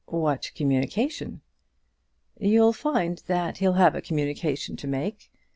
"What communication?" "You'll find that he'll have a communication to make.